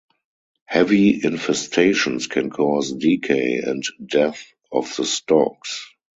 Heavy infestations can cause decay and death of the stalks.